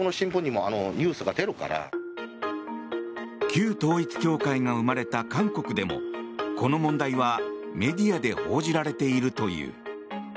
旧統一教会が生まれた韓国でもこの問題はメディアで報じられているという。